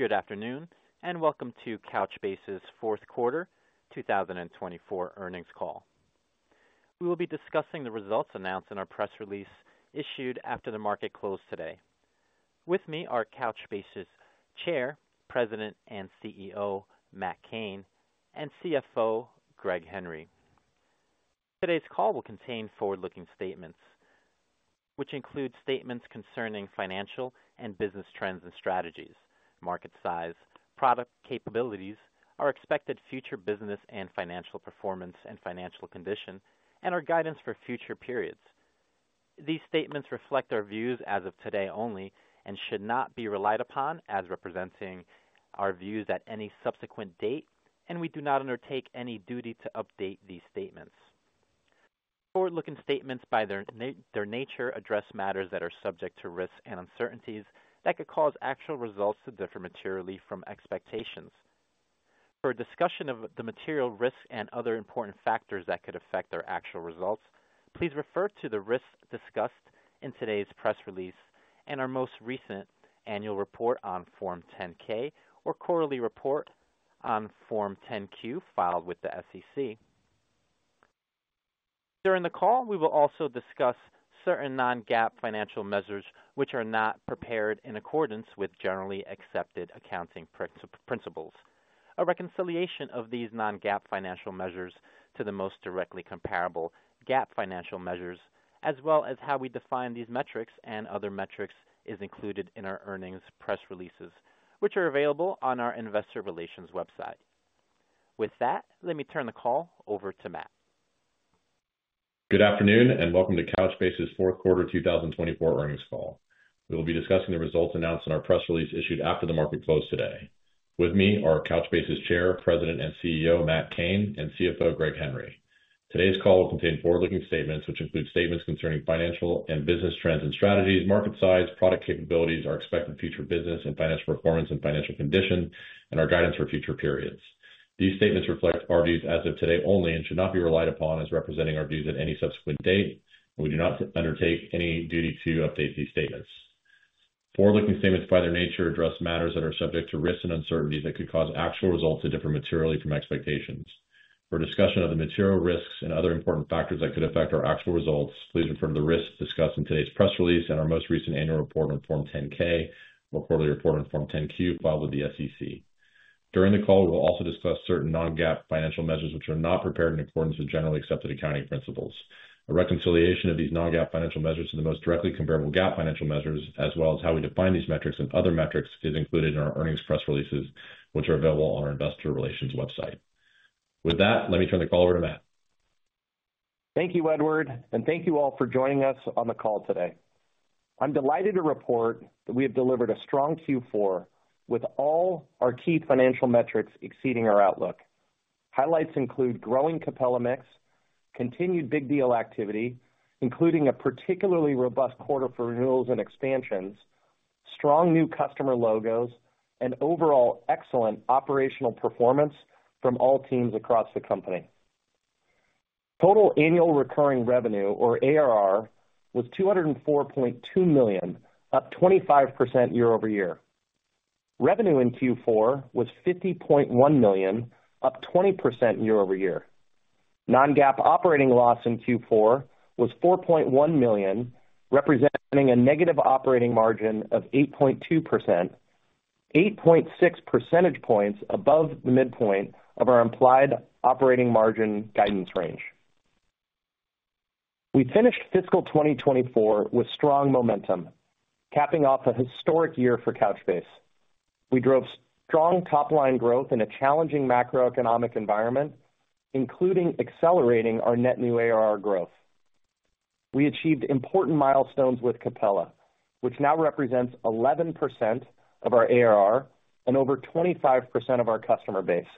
Good afternoon and welcome to Couchbase's fourth quarter 2024 earnings call. We will be discussing the results announced in our press release issued after the market closed today. With me are Couchbase's Chair, President and CEO Matt Cain, and CFO Greg Henry. Today's call will contain forward-looking statements which include statements concerning financial and business trends and strategies, market size, product capabilities, our expected future business and financial performance and financial condition, and our guidance for future periods. These statements reflect our views as of today only and should not be relied upon as representing our views at any subsequent date, and we do not undertake any duty to update these statements. Forward-looking statements, by their nature, address matters that are subject to risks and uncertainties that could cause actual results to differ materially from expectations. For a discussion of the material risks and other important factors that could affect our actual results, please refer to the risks discussed in today's press release and our most recent annual report on Form 10-K or quarterly report on Form 10-Q filed with the SEC. During the call, we will also discuss certain non-GAAP financial measures which are not prepared in accordance with generally accepted accounting principles. A reconciliation of these non-GAAP financial measures to the most directly comparable GAAP financial measures, as well as how we define these metrics and other metrics, is included in our earnings press releases which are available on our investor relations website. With that, let me turn the call over to Matt. Good afternoon and welcome to Couchbase's fourth quarter 2024 earnings call. We will be discussing the results announced in our press release issued after the market closed today. With me are Couchbase's Chair, President and CEO Matt Cain, and CFO Greg Henry. Today's call will contain forward-looking statements which include statements concerning financial and business trends and strategies, market size, product capabilities, our expected future business and financial performance and financial condition, and our guidance for future periods. These statements reflect our views as of today only and should not be relied upon as representing our views at any subsequent date, and we do not undertake any duty to update these statements. Forward-looking statements, by their nature, address matters that are subject to risks and uncertainties that could cause actual results to differ materially from expectations. For a discussion of the material risks and other important factors that could affect our actual results, please refer to the risks discussed in today's press release and our most recent annual report on Form 10-K or quarterly report on Form 10-Q filed with the SEC. During the call, we will also discuss certain non-GAAP financial measures which are not prepared in accordance with generally accepted accounting principles. A reconciliation of these non-GAAP financial measures to the most directly comparable GAAP financial measures, as well as how we define these metrics and other metrics, is included in our earnings press releases which are available on our investor relations website. With that, let me turn the call over to Matt. Thank you, Edward, and thank you all for joining us on the call today. I'm delighted to report that we have delivered a strong Q4 with all our key financial metrics exceeding our outlook. Highlights include growing Capella mix, continued big deal activity including a particularly robust quarter for renewals and expansions, strong new customer logos, and overall excellent operational performance from all teams across the company. Total annual recurring revenue or ARR was $204.2 million, up 25% year-over-year. Revenue in Q4 was $50.1 million, up 20% year-over-year. Non-GAAP operating loss in Q4 was $4.1 million, representing a negative operating margin of 8.2%, 8.6 percentage points above the midpoint of our implied operating margin guidance range. We finished fiscal 2024 with strong momentum, capping off a historic year for Couchbase. We drove strong top-line growth in a challenging macroeconomic environment, including accelerating our net new ARR growth. We achieved important milestones with Capella, which now represents 11% of our ARR and over 25% of our customer base.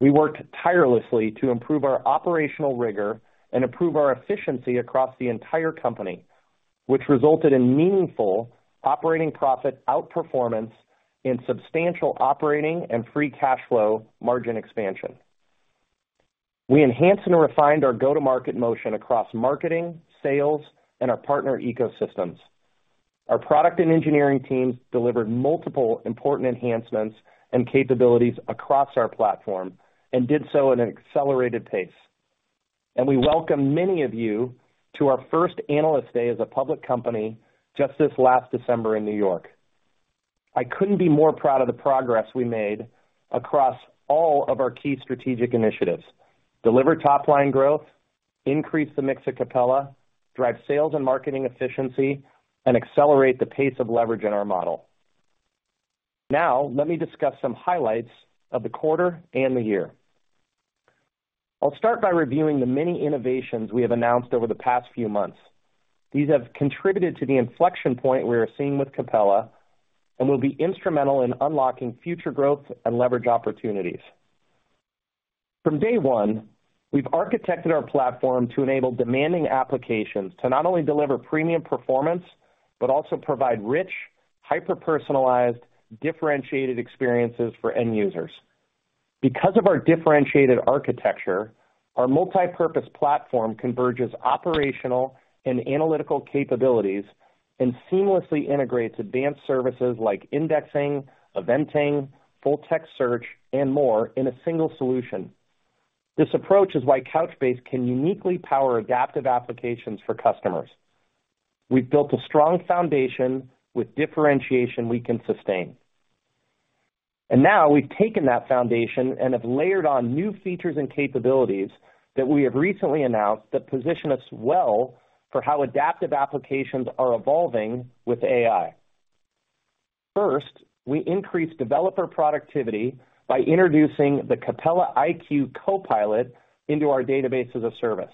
We worked tirelessly to improve our operational rigor and improve our efficiency across the entire company, which resulted in meaningful operating profit outperformance and substantial operating and free cash flow margin expansion. We enhanced and refined our go-to-market motion across marketing, sales, and our partner ecosystems. Our product and engineering teams delivered multiple important enhancements and capabilities across our platform and did so at an accelerated pace. We welcome many of you to our first Analyst Day as a public company just this last December in New York. I couldn't be more proud of the progress we made across all of our key strategic initiatives: deliver top-line growth, increase the mix of Capella, drive sales and marketing efficiency, and accelerate the pace of leverage in our model. Now, let me discuss some highlights of the quarter and the year. I'll start by reviewing the many innovations we have announced over the past few months. These have contributed to the inflection point we are seeing with Capella and will be instrumental in unlocking future growth and leverage opportunities. From day one, we've architected our platform to enable demanding applications to not only deliver premium performance but also provide rich, hyper-personalized, differentiated experiences for end users. Because of our differentiated architecture, our multipurpose platform converges operational and analytical capabilities and seamlessly integrates advanced services like indexing, eventing, full-text search, and more in a single solution. This approach is why Couchbase can uniquely power adaptive applications for customers. We've built a strong foundation with differentiation we can sustain. And now we've taken that foundation and have layered on new features and capabilities that we have recently announced that position us well for how adaptive applications are evolving with AI. First, we increased developer productivity by introducing the Capella iQ copilot into our database as a service.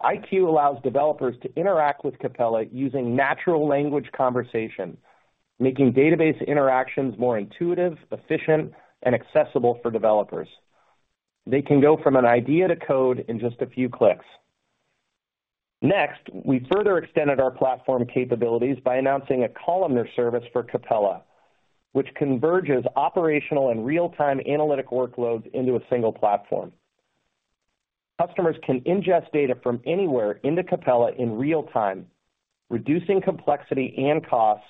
iQ allows developers to interact with Capella using natural language conversation, making database interactions more intuitive, efficient, and accessible for developers. They can go from an idea to code in just a few clicks. Next, we further extended our platform capabilities by announcing a Columnar service for Capella, which converges operational and real-time analytic workloads into a single platform. Customers can ingest data from anywhere into Capella in real-time, reducing complexity and costs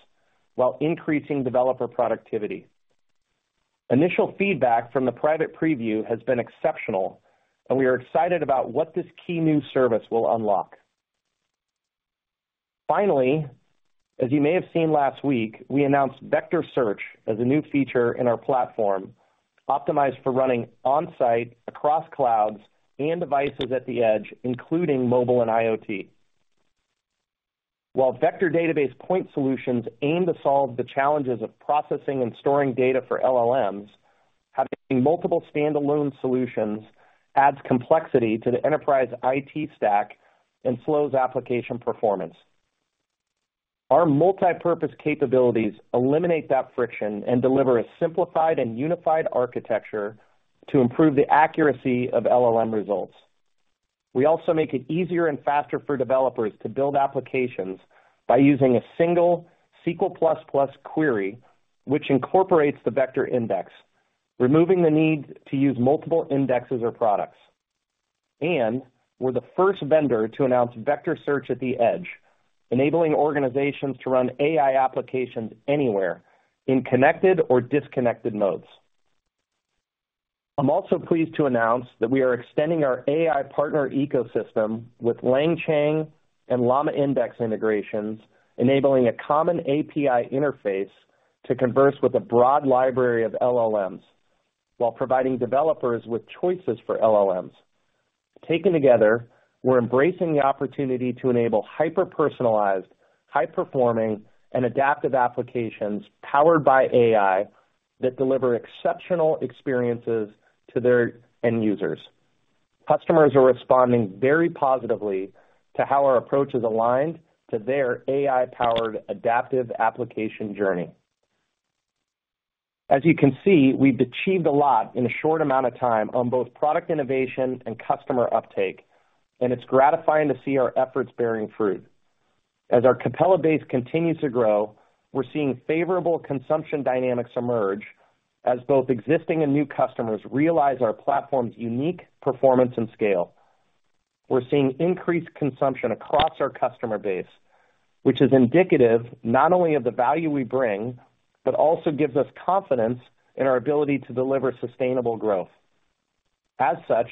while increasing developer productivity. Initial feedback from the private preview has been exceptional, and we are excited about what this key new service will unlock. Finally, as you may have seen last week, we announced Vector Search as a new feature in our platform, optimized for running on-site, across clouds, and devices at the edge, including mobile and IoT. While vector database point solutions aim to solve the challenges of processing and storing data for LLMs, having multiple standalone solutions adds complexity to the enterprise IT stack and slows application performance. Our multipurpose capabilities eliminate that friction and deliver a simplified and unified architecture to improve the accuracy of LLM results. We also make it easier and faster for developers to build applications by using a single SQL++ query, which incorporates the vector index, removing the need to use multiple indexes or products. We're the first vendor to announce Vector Search at the edge, enabling organizations to run AI applications anywhere in connected or disconnected modes. I'm also pleased to announce that we are extending our AI partner ecosystem with LangChain and LlamaIndex integrations, enabling a common API interface to converse with a broad library of LLMs while providing developers with choices for LLMs. Taken together, we're embracing the opportunity to enable hyper-personalized, high-performing, and adaptive applications powered by AI that deliver exceptional experiences to their end users. Customers are responding very positively to how our approach is aligned to their AI-powered adaptive application journey. As you can see, we've achieved a lot in a short amount of time on both product innovation and customer uptake, and it's gratifying to see our efforts bearing fruit. As our Capella base continues to grow, we're seeing favorable consumption dynamics emerge as both existing and new customers realize our platform's unique performance and scale. We're seeing increased consumption across our customer base, which is indicative not only of the value we bring but also gives us confidence in our ability to deliver sustainable growth. As such,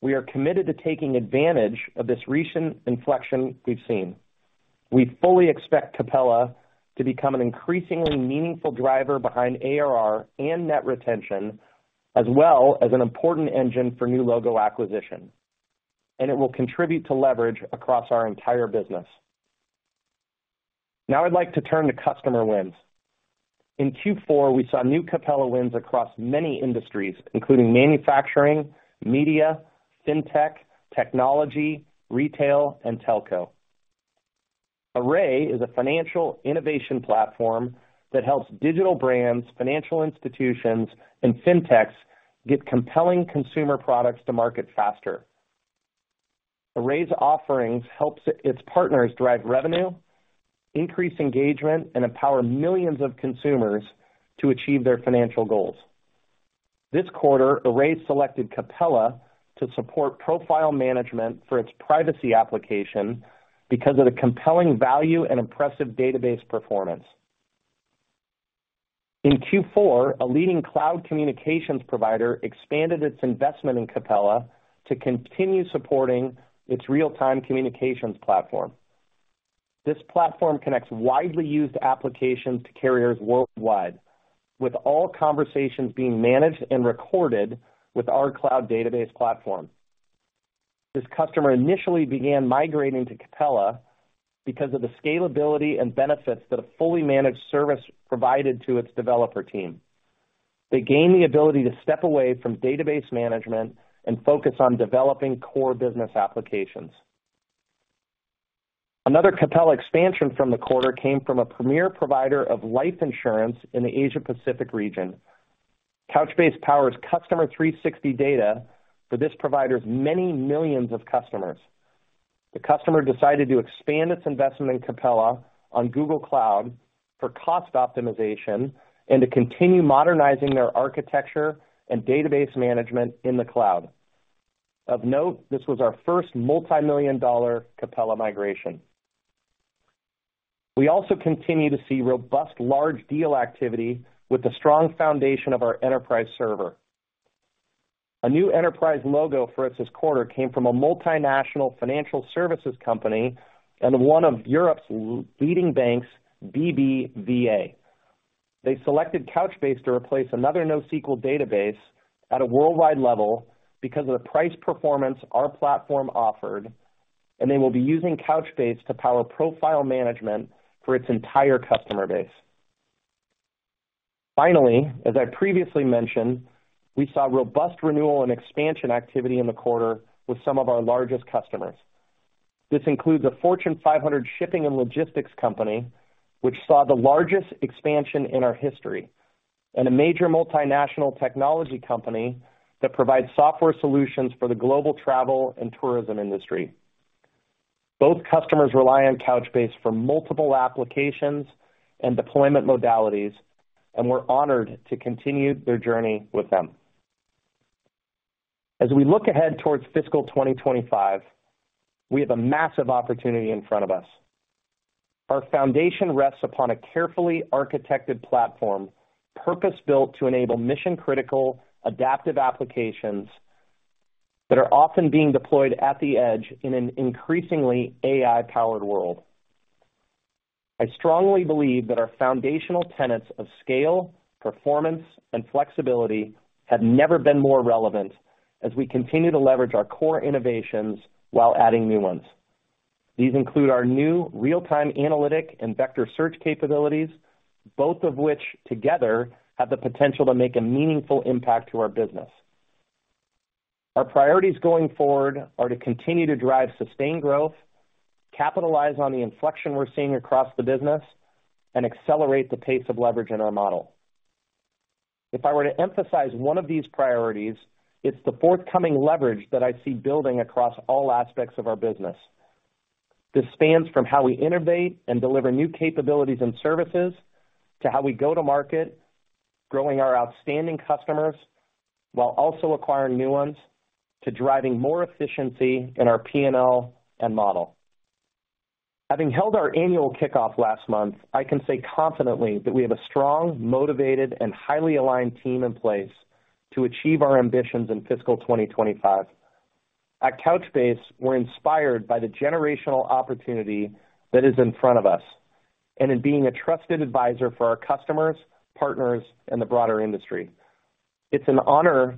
we are committed to taking advantage of this recent inflection we've seen. We fully expect Capella to become an increasingly meaningful driver behind ARR and net retention, as well as an important engine for new logo acquisition, and it will contribute to leverage across our entire business. Now I'd like to turn to customer wins. In Q4, we saw new Capella wins across many industries, including manufacturing, media, fintech, technology, retail, and telco. Array is a financial innovation platform that helps digital brands, financial institutions, and fintechs get compelling consumer products to market faster. Array's offerings help its partners drive revenue, increase engagement, and empower millions of consumers to achieve their financial goals. This quarter, Array selected Capella to support profile management for its privacy application because of the compelling value and impressive database performance. In Q4, a leading cloud communications provider expanded its investment in Capella to continue supporting its real-time communications platform. This platform connects widely used applications to carriers worldwide, with all conversations being managed and recorded with our cloud database platform. This customer initially began migrating to Capella because of the scalability and benefits that a fully managed service provided to its developer team. They gained the ability to step away from database management and focus on developing core business applications. Another Capella expansion from the quarter came from a premier provider of life insurance in the Asia-Pacific region. Couchbase powers Customer 360 data for this provider's many millions of customers. The customer decided to expand its investment in Capella on Google Cloud for cost optimization and to continue modernizing their architecture and database management in the cloud. Of note, this was our first multimillion-dollar Capella migration. We also continue to see robust large deal activity with the strong foundation of our enterprise server. A new enterprise logo for us this quarter came from a multinational financial services company and one of Europe's leading banks, BBVA. They selected Couchbase to replace another NoSQL database at a worldwide level because of the price performance our platform offered, and they will be using Couchbase to power profile management for its entire customer base. Finally, as I previously mentioned, we saw robust renewal and expansion activity in the quarter with some of our largest customers. This includes a Fortune 500 shipping and logistics company, which saw the largest expansion in our history, and a major multinational technology company that provides software solutions for the global travel and tourism industry. Both customers rely on Couchbase for multiple applications and deployment modalities, and we're honored to continue their journey with them. As we look ahead towards fiscal 2025, we have a massive opportunity in front of us. Our foundation rests upon a carefully architected platform, purpose-built to enable mission-critical adaptive applications that are often being deployed at the edge in an increasingly AI-powered world. I strongly believe that our foundational tenets of scale, performance, and flexibility have never been more relevant as we continue to leverage our core innovations while adding new ones. These include our new real-time analytic and Vector Search capabilities, both of which together have the potential to make a meaningful impact to our business. Our priorities going forward are to continue to drive sustained growth, capitalize on the inflection we're seeing across the business, and accelerate the pace of leverage in our model. If I were to emphasize one of these priorities, it's the forthcoming leverage that I see building across all aspects of our business. This spans from how we innovate and deliver new capabilities and services to how we go to market, growing our outstanding customers while also acquiring new ones to driving more efficiency in our P&L and model. Having held our Annual Kickoff last month, I can say confidently that we have a strong, motivated, and highly aligned team in place to achieve our ambitions in fiscal 2025. At Couchbase, we're inspired by the generational opportunity that is in front of us and in being a trusted advisor for our customers, partners, and the broader industry. It's an honor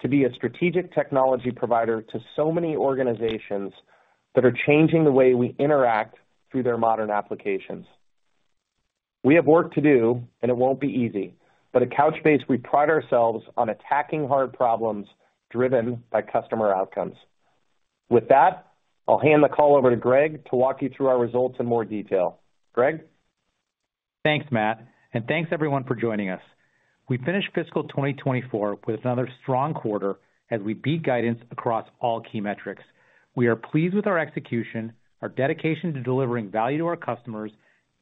to be a strategic technology provider to so many organizations that are changing the way we interact through their modern applications. We have work to do, and it won't be easy, but at Couchbase, we pride ourselves on attacking hard problems driven by customer outcomes. With that, I'll hand the call over to Greg to walk you through our results in more detail. Greg? Thanks, Matt, and thanks everyone for joining us. We finished fiscal 2024 with another strong quarter as we beat guidance across all key metrics. We are pleased with our execution, our dedication to delivering value to our customers,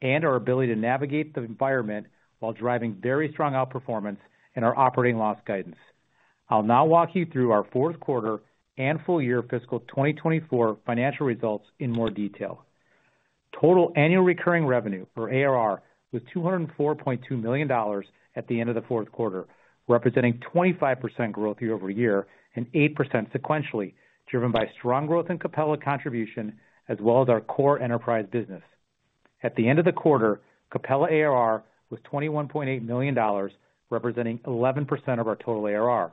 and our ability to navigate the environment while driving very strong outperformance in our operating loss guidance. I'll now walk you through our fourth quarter and full-year fiscal 2024 financial results in more detail. Total annual recurring revenue, or ARR, was $204.2 million at the end of the fourth quarter, representing 25% year-over-year growth and 8% sequentially, driven by strong growth and Capella contribution as well as our core enterprise business. At the end of the quarter, Capella ARR was $21.8 million, representing 11% of our total ARR.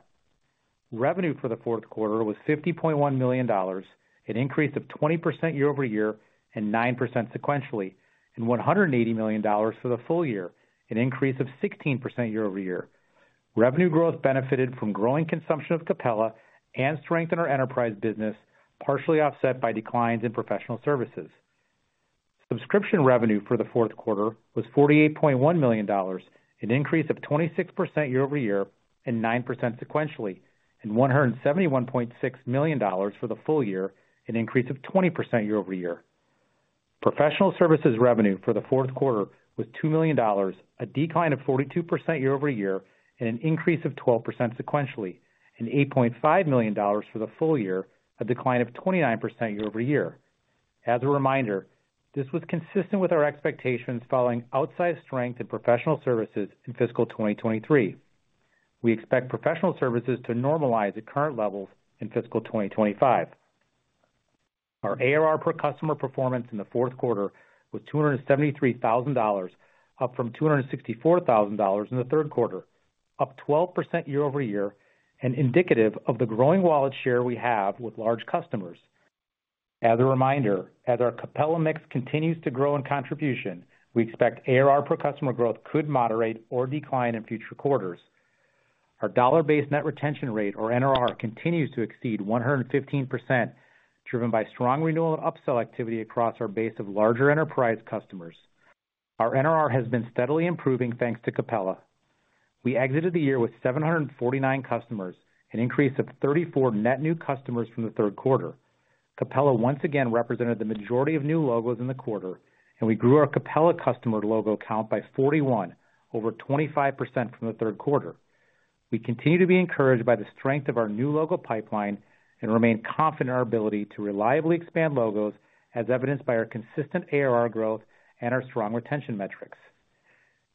Revenue for the fourth quarter was $50.1 million, an increase of 20% year-over-year and 9% sequentially, and $180 million for the full year, an increase of 16% year-over-year. Revenue growth benefited from growing consumption of Capella and strength in our enterprise business, partially offset by declines in professional services. Subscription revenue for the fourth quarter was $48.1 million, an increase of 26% year-over-year and 9% sequentially, and $171.6 million for the full year, an increase of 20% year-over-year. Professional services revenue for the fourth quarter was $2 million, a decline of 42% year-over-year and an increase of 12% sequentially, and $8.5 million for the full year, a decline of 29% year-over-year. As a reminder, this was consistent with our expectations following outside strength in professional services in fiscal 2023. We expect professional services to normalize at current levels in fiscal 2025. Our ARR per customer performance in the fourth quarter was $273,000, up from $264,000 in the third quarter, up 12% year-over-year, and indicative of the growing wallet share we have with large customers. As a reminder, as our Capella mix continues to grow in contribution, we expect ARR per customer growth could moderate or decline in future quarters. Our dollar-based net retention rate, or NRR, continues to exceed 115%, driven by strong renewal and upsell activity across our base of larger enterprise customers. Our NRR has been steadily improving thanks to Capella. We exited the year with 749 customers, an increase of 34 net new customers from the third quarter. Capella once again represented the majority of new logos in the quarter, and we grew our Capella customer logo count by 41, over 25% from the third quarter. We continue to be encouraged by the strength of our new logo pipeline and remain confident in our ability to reliably expand logos, as evidenced by our consistent ARR growth and our strong retention metrics.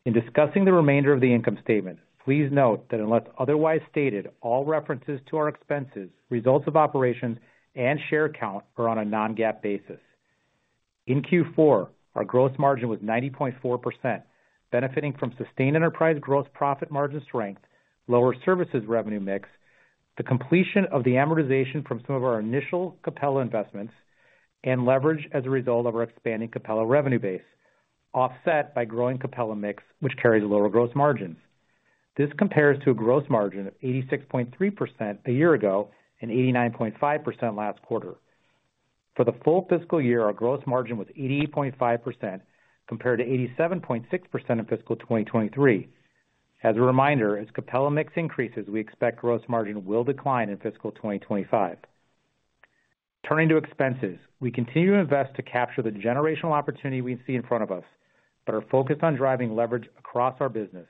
In discussing the remainder of the income statement, please note that unless otherwise stated, all references to our expenses, results of operations, and share count are on a non-GAAP basis. In Q4, our gross margin was 90.4%, benefiting from sustained enterprise gross profit margin strength, lower services revenue mix, the completion of the amortization from some of our initial Capella investments, and leverage as a result of our expanding Capella revenue base, offset by growing Capella mix, which carries lower gross margins. This compares to a gross margin of 86.3% a year ago and 89.5% last quarter. For the full fiscal year, our gross margin was 88.5% compared to 87.6% in fiscal 2023. As a reminder, as Capella mix increases, we expect gross margin will decline in fiscal 2025. Turning to expenses, we continue to invest to capture the generational opportunity we see in front of us, but are focused on driving leverage across our business.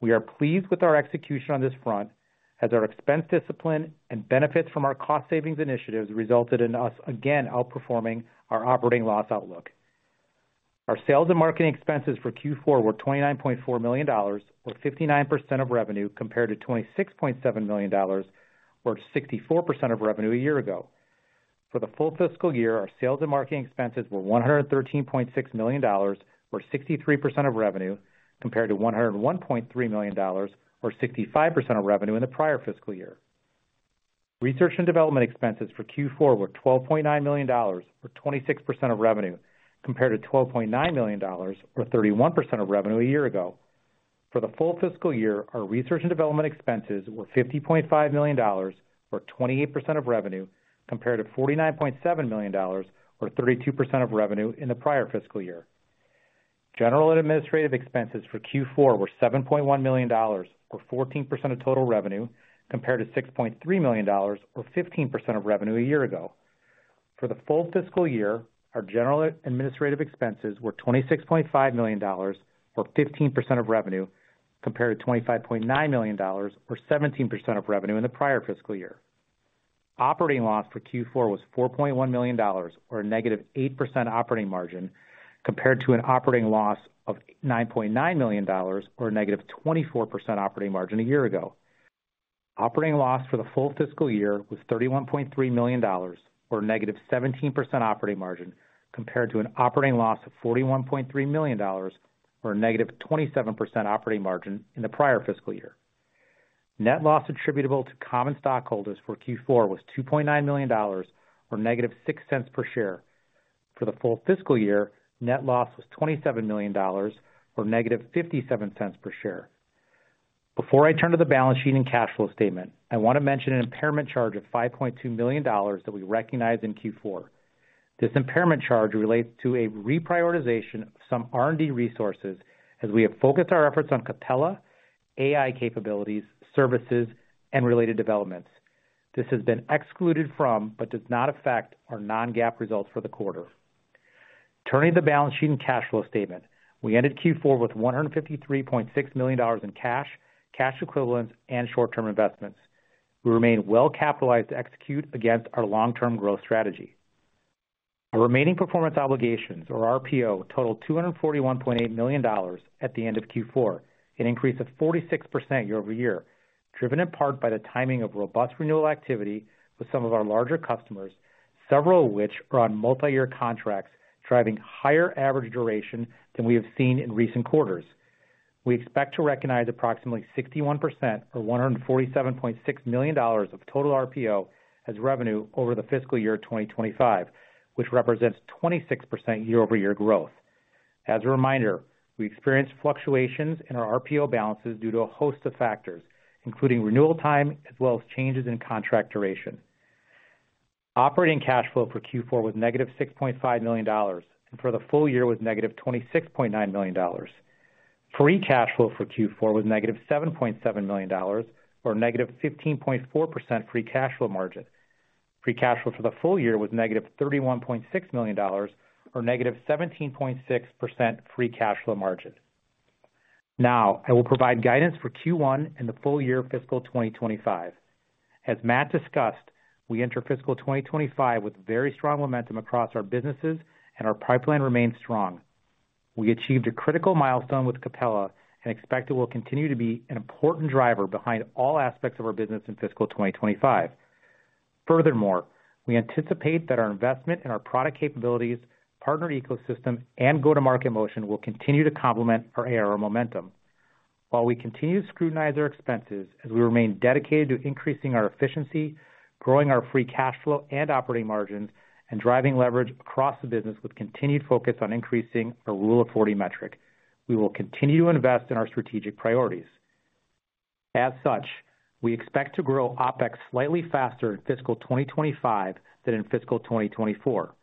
We are pleased with our execution on this front, as our expense discipline and benefits from our cost-savings initiatives resulted in us again outperforming our operating loss outlook. Our sales and marketing expenses for Q4 were $29.4 million, or 59% of revenue compared to $26.7 million, or 64% of revenue a year ago. For the full fiscal year, our sales and marketing expenses were $113.6 million, or 63% of revenue compared to $101.3 million, or 65% of revenue in the prior fiscal year. Research and development expenses for Q4 were $12.9 million, or 26% of revenue compared to $12.9 million, or 31% of revenue a year ago. For the full fiscal year, our research and development expenses were $50.5 million, or 28% of revenue compared to $49.7 million, or 32% of revenue in the prior fiscal year. General and administrative expenses for Q4 were $7.1 million, or 14% of total revenue compared to $6.3 million, or 15% of revenue a year ago. For the full fiscal year, our general and administrative expenses were $26.5 million, or 15% of revenue compared to $25.9 million, or 17% of revenue in the prior fiscal year. Operating loss for Q4 was $4.1 million, or a negative 8% operating margin compared to an operating loss of $9.9 million, or a negative 24% operating margin a year ago. Operating loss for the full fiscal year was $31.3 million, or a negative 17% operating margin compared to an operating loss of $41.3 million, or a negative 27% operating margin in the prior fiscal year. Net loss attributable to common stockholders for Q4 was $2.9 million, or -$0.06 per share. For the full fiscal year, net loss was $27 million, or -$0.57 per share. Before I turn to the balance sheet and cash flow statement, I want to mention an impairment charge of $5.2 million that we recognize in Q4. This impairment charge relates to a reprioritization of some R&D resources as we have focused our efforts on Capella, AI capabilities, services, and related developments. This has been excluded from but does not affect our non-GAAP results for the quarter. Turning to the balance sheet and cash flow statement, we ended Q4 with $153.6 million in cash, cash equivalents, and short-term investments. We remain well-capitalized to execute against our long-term growth strategy. Our remaining performance obligations, or RPO, totaled $241.8 million at the end of Q4, an increase of 46% year-over-year, driven in part by the timing of robust renewal activity with some of our larger customers, several of which are on multi-year contracts, driving higher average duration than we have seen in recent quarters. We expect to recognize approximately 61%, or $147.6 million, of total RPO as revenue over the fiscal year 2025, which represents 26% year-over-year growth. As a reminder, we experienced fluctuations in our RPO balances due to a host of factors, including renewal time as well as changes in contract duration. Operating cash flow for Q4 was negative $6.5 million, and for the full year was negative $26.9 million. Free cash flow for Q4 was negative $7.7 million, or a negative 15.4% free cash flow margin. Free cash flow for the full year was negative $31.6 million, or a negative 17.6% free cash flow margin. Now, I will provide guidance for Q1 and the full year fiscal 2025. As Matt discussed, we enter fiscal 2025 with very strong momentum across our businesses, and our pipeline remains strong. We achieved a critical milestone with Capella and expect it will continue to be an important driver behind all aspects of our business in fiscal 2025. Furthermore, we anticipate that our investment in our product capabilities, partner ecosystem, and go-to-market motion will continue to complement our ARR momentum. While we continue to scrutinize our expenses as we remain dedicated to increasing our efficiency, growing our free cash flow and operating margins, and driving leverage across the business with continued focus on increasing our Rule of 40 metric, we will continue to invest in our strategic priorities. As such, we expect to grow OpEx slightly faster in fiscal 2025 than in fiscal 2024.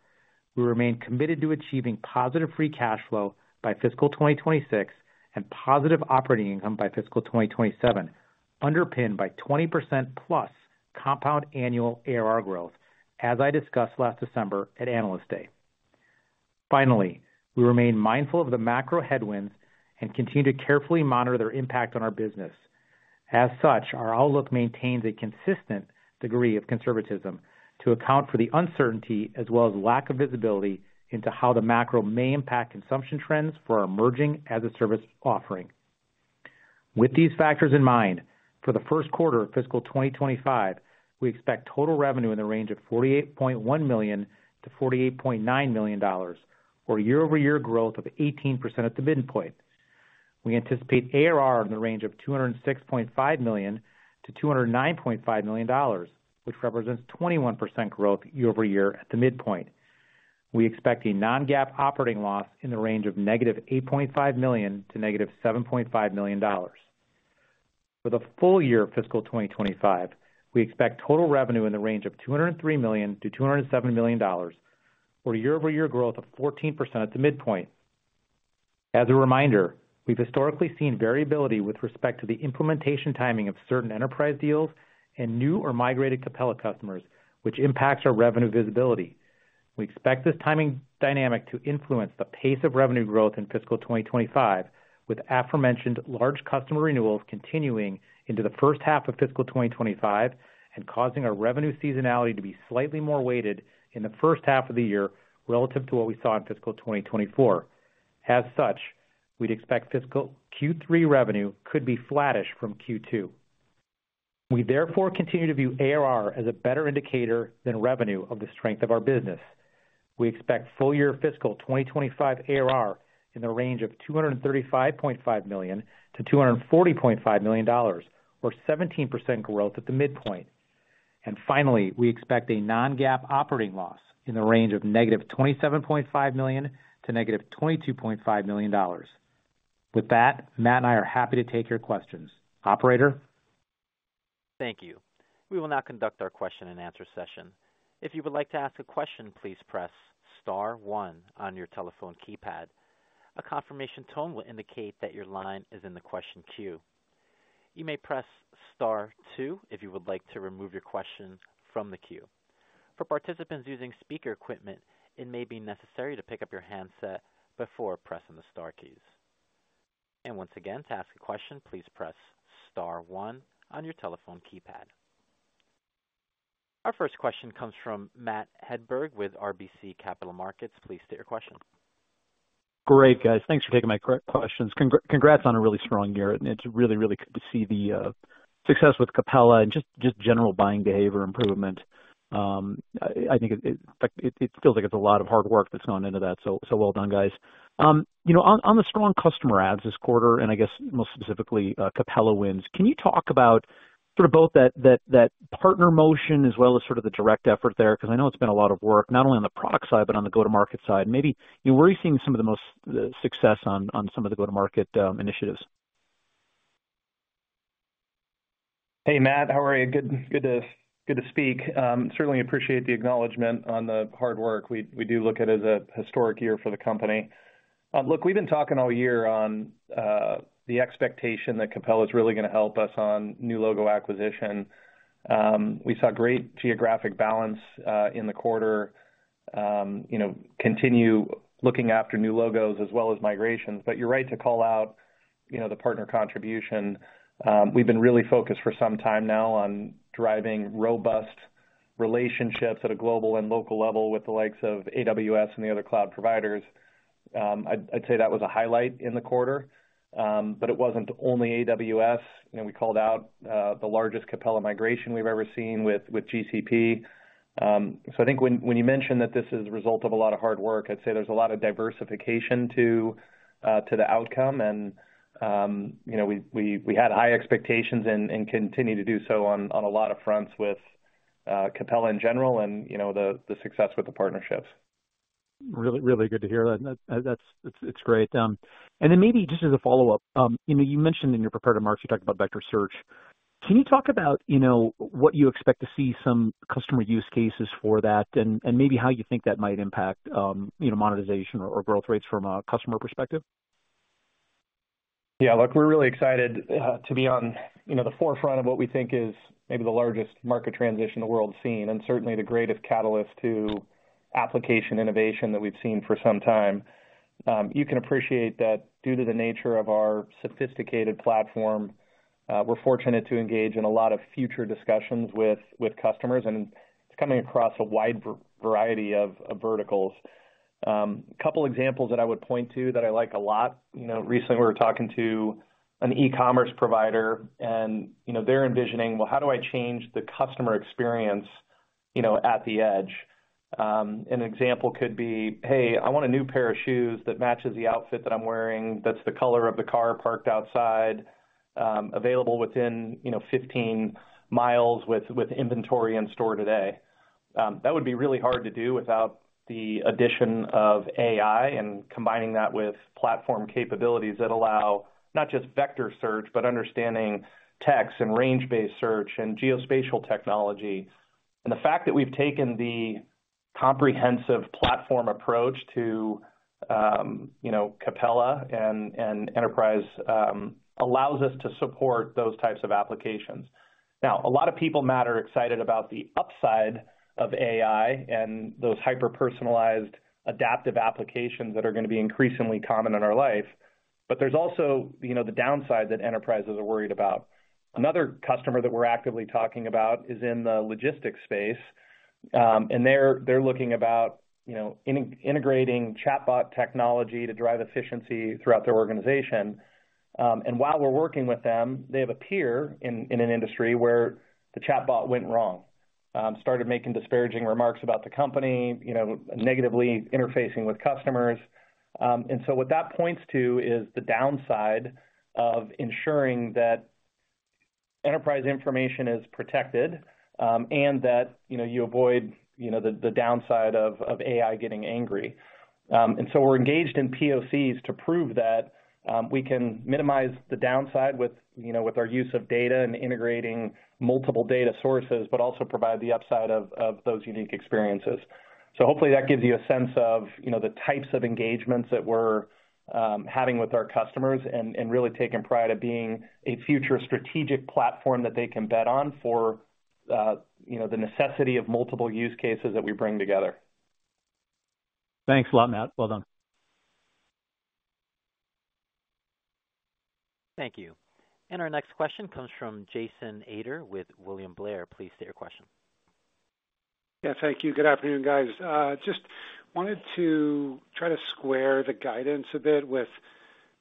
We remain committed to achieving positive free cash flow by fiscal 2026 and positive operating income by fiscal 2027, underpinned by 20% plus compound annual ARR growth, as I discussed last December at Analyst Day. Finally, we remain mindful of the macro headwinds and continue to carefully monitor their impact on our business. As such, our outlook maintains a consistent degree of conservatism to account for the uncertainty as well as lack of visibility into how the macro may impact consumption trends for our emerging as-a-service offering. With these factors in mind, for the first quarter of fiscal 2025, we expect total revenue in the range of $48.1-$48.9 million, or year-over-year growth of 18% at the midpoint. We anticipate ARR in the range of $206.5 million-$209.5 million, which represents 21% growth year-over-year at the midpoint. We expect a non-GAAP operating loss in the range of negative $8.5 million to negative $7.5 million. For the full year fiscal 2025, we expect total revenue in the range of $203 million-$207 million, or year-over-year growth of 14% at the midpoint. As a reminder, we've historically seen variability with respect to the implementation timing of certain enterprise deals and new or migrated Capella customers, which impacts our revenue visibility. We expect this timing dynamic to influence the pace of revenue growth in fiscal 2025, with aforementioned large customer renewals continuing into the first half of fiscal 2025 and causing our revenue seasonality to be slightly more weighted in the first half of the year relative to what we saw in fiscal 2024. As such, we'd expect fiscal Q3 revenue could be flattish from Q2. We therefore continue to view ARR as a better indicator than revenue of the strength of our business. We expect full-year fiscal 2025 ARR in the range of $235.5 million to $240.5 million, or 17% growth at the midpoint. And finally, we expect a non-GAAP operating loss in the range of -$27.5 million to -$22.5 million. With that, Matt and I are happy to take your questions. Operator? Thank you. We will now conduct our question-and-answer session. If you would like to ask a question, please press *1 on your telephone keypad. A confirmation tone will indicate that your line is in the question queue. You may press *2 if you would like to remove your question from the queue. For participants using speaker equipment, it may be necessary to pick up your handset before pressing the * keys. And once again, to ask a question, please press *1 on your telephone keypad. Our first question comes from Matt Hedberg with RBC Capital Markets. Please state your question. Great, guys. Thanks for taking my questions. Congrats on a really strong year. It's really, really good to see the success with Capella and just general buying behavior improvement. I think it feels like it's a lot of hard work that's gone into that. Well done, guys. On the strong customer adds this quarter, and I guess most specifically Capella wins, can you talk about both that partner motion as well as the direct effort there? Because I know it's been a lot of work, not only on the product side but on the go-to-market side. Where are you seeing some of the most success on some of the go-to-market initiatives? Hey, Matt. How are you? Good to speak. Certainly appreciate the acknowledgment on the hard work. We do look at it as a historic year for the company. Look, we've been talking all year on the expectation that Capella is really going to help us on new logo acquisition. We saw great geographic balance in the quarter. Continue looking after new logos as well as migrations. But you're right to call out the partner contribution. We've been really focused for some time now on driving robust relationships at a global and local level with the likes of AWS and the other cloud providers. I'd say that was a highlight in the quarter. But it wasn't only AWS. We called out the largest Capella migration we've ever seen with GCP. So I think when you mentioned that this is a result of a lot of hard work, I'd say there's a lot of diversification to the outcome. And we had high expectations and continue to do so on a lot of fronts with Capella in general and the success with the partnerships. Really, really good to hear that. It's great. And then maybe just as a follow-up, you mentioned in your prepared remarks, you talked about Vector Search. Can you talk about what you expect to see some customer use cases for that and maybe how you think that might impact monetization or growth rates from a customer perspective? Yeah. Look, we're really excited to be on the forefront of what we think is maybe the largest market transition the world's seen and certainly the greatest catalyst to application innovation that we've seen for some time. You can appreciate that due to the nature of our sophisticated platform, we're fortunate to engage in a lot of future discussions with customers. It's coming across a wide variety of verticals. A couple of examples that I would point to that I like a lot. Recently, we were talking to an e-commerce provider, and they're envisioning, "Well, how do I change the customer experience at the edge?" An example could be, "Hey, I want a new pair of shoes that matches the outfit that I'm wearing that's the color of the car parked outside, available within 15 miles with inventory in store today." That would be really hard to do without the addition of AI and combining that with platform capabilities that allow not just vector search, but understanding text and range-based search and geospatial technology. The fact that we've taken the comprehensive platform approach to Capella and enterprise allows us to support those types of applications. Now, a lot of people are excited about the upside of AI and those hyper-personalized, adaptive applications that are going to be increasingly common in our life. But there's also the downside that enterprises are worried about. Another customer that we're actively talking about is in the logistics space. They're looking to integrate chatbot technology to drive efficiency throughout their organization. And while we're working with them, they have a peer in an industry where the chatbot went wrong, started making disparaging remarks about the company, negatively interfacing with customers. And so what that points to is the downside of ensuring that enterprise information is protected and that you avoid the downside of AI getting angry. And so we're engaged in POCs to prove that we can minimize the downside with our use of data and integrating multiple data sources, but also provide the upside of those unique experiences. So hopefully, that gives you a sense of the types of engagements that we're having with our customers and really taking pride of being a future strategic platform that they can bet on for the necessity of multiple use cases that we bring together. Thanks a lot, Matt. Well done. Thank you. And our next question comes from Jason Ader with William Blair. Please state your question. Yeah, thank you. Good afternoon, guys. Just wanted to try to square the guidance a bit with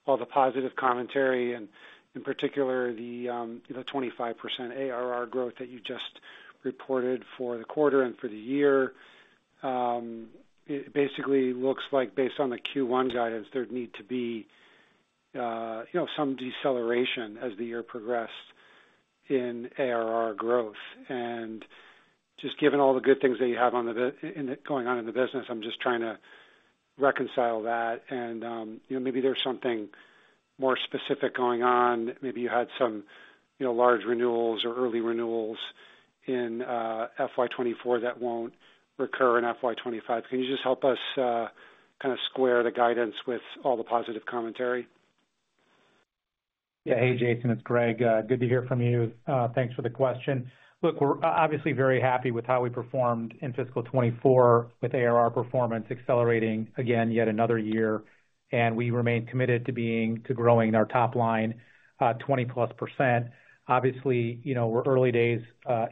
all the positive commentary, and in particular, the 25% ARR growth that you just reported for the quarter and for the year. It basically looks like, based on the Q1 guidance, there'd need to be some deceleration as the year progressed in ARR growth. Just given all the good things that you have going on in the business, I'm just trying to reconcile that. And maybe there's something more specific going on. Maybe you had some large renewals or early renewals in FY2024 that won't recur in FY2025. Can you just help us kind of square the guidance with all the positive commentary? Yeah. Hey, Jason. It's Greg. Good to hear from you. Thanks for the question. Look, we're obviously very happy with how we performed in fiscal 2024 with ARR performance accelerating, again, yet another year. And we remain committed to growing our top line 20%+. Obviously, we're early days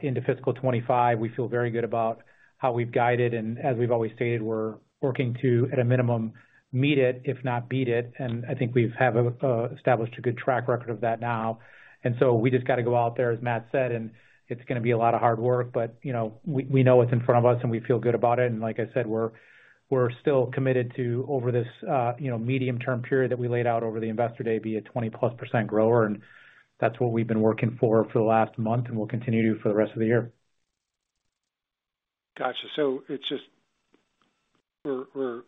into fiscal 2025. We feel very good about how we've guided. And as we've always stated, we're working to, at a minimum, meet it, if not beat it. And I think we have established a good track record of that now. And so we just got to go out there, as Matt said, and it's going to be a lot of hard work. But we know it's in front of us, and we feel good about it. And like I said, we're still committed to, over this medium-term period that we laid out over the investor day, be a 20%+ grower. And that's what we've been working for for the last month, and we'll continue to for the rest of the year. Gotcha. So it's just we're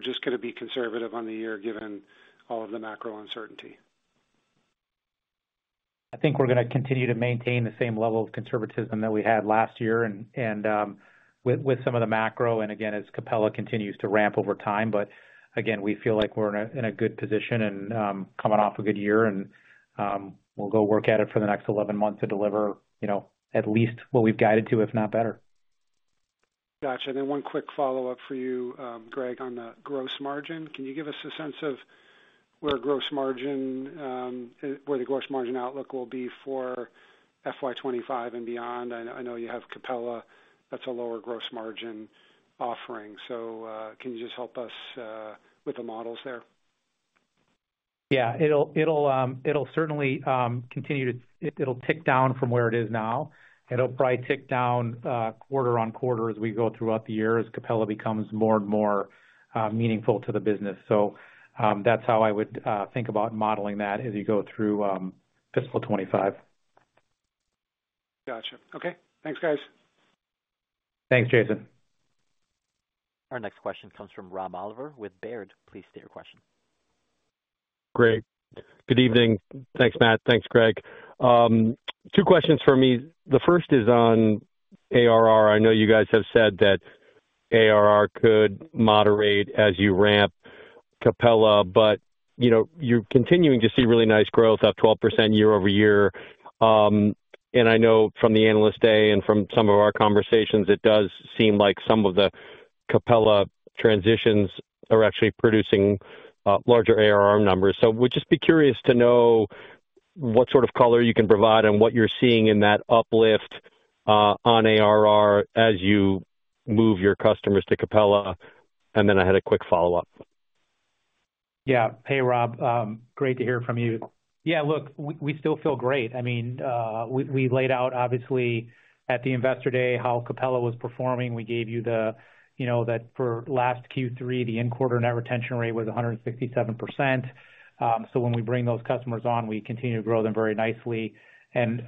just going to be conservative on the year given all of the macro uncertainty? I think we're going to continue to maintain the same level of conservatism that we had last year with some of the macro and, again, as Capella continues to ramp over time. But again, we feel like we're in a good position and coming off a good year. And we'll go work at it for the next 11 months to deliver at least what we've guided to, if not better. Gotcha. And then one quick follow-up for you, Greg, on the gross margin. Can you give us a sense of where the gross margin outlook will be for FY25 and beyond? I know you have Capella that's a lower gross margin offering. So can you just help us with the models there? Yeah. It'll certainly continue to it'll tick down from where it is now. It'll probably tick down quarter-over-quarter as we go throughout the year, as Capella becomes more and more meaningful to the business. So that's how I would think about modeling that as you go through fiscal 2025. Gotcha. Okay. Thanks, guys. Thanks, Jason. Our next question comes from Rob Oliver with Baird. Please state your question. Great. Good evening. Thanks, Matt. Thanks, Greg. Two questions for me. The first is on ARR. I know you guys have said that ARR could moderate as you ramp Capella. But you're continuing to see really nice growth, up 12% year-over-year. And I know from the analyst day and from some of our conversations, it does seem like some of the Capella transitions are actually producing larger ARR numbers. We'd just be curious to know what sort of color you can provide and what you're seeing in that uplift on ARR as you move your customers to Capella. And then I had a quick follow-up. Yeah. Hey, Rob. Great to hear from you. Yeah. Look, we still feel great. I mean, we laid out, obviously, at the investor day how Capella was performing. We gave you that for last Q3, the in-quarter net retention rate was 167%. So when we bring those customers on, we continue to grow them very nicely. And